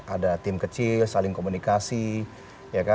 ada tim kecil saling komunikasi ya kan saling silaturahmi